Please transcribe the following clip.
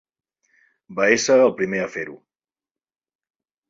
Va ésser el primer a fer-ho.